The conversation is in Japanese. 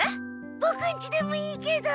ボクんちでもいいけど。